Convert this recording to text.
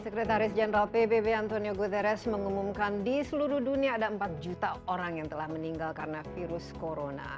sekretaris jenderal pbb antonio guterres mengumumkan di seluruh dunia ada empat juta orang yang telah meninggal karena virus corona